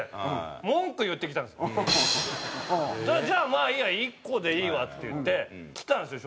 「じゃあまあいいや１個でいいわ」って言って来たんですよ